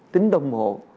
tính đồng hộ